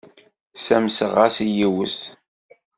Ssamseɣ-as i yiwet.